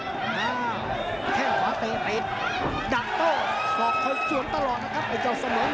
อ่าแค่หวาไปเร็ดดับโต้ศอกเขาเสียนตลอดนะครับไอ้เจ้าเสมอไหน